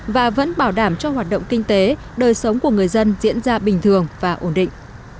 và vẫn bảo đảm cho hoạt động kinh tế đời sống của người dân diễn ra bình thường và ổn định